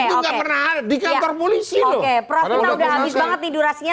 habis banget nih durasinya